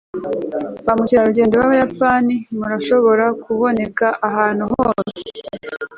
ba mukerarugendo b'abayapani murashobora kuboneka ahantu hose